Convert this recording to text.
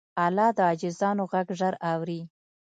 الله د عاجزانو غږ ژر اوري.